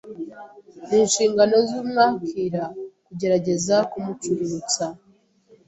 ni inshingano z’umwakira kugerageza kumucururutsa